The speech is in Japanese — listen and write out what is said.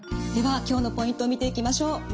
では今日のポイント見ていきましょう。